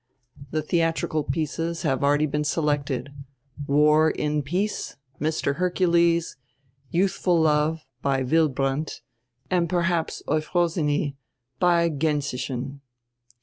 The dieatrical pieces have already been selected — War in Peace, Mr. Hercules, Youthful Love, by Wilbrandt, and perhaps Euphrosyne, by Gensichen.